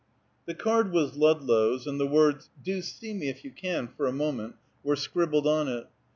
The card was Ludlow's, and the words, "Do see me, if you can, for a moment," were scribbled on it.